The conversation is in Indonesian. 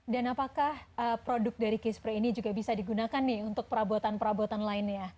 dan apakah produk dari kispre ini juga bisa digunakan nih untuk perabotan perabotan lainnya di rumah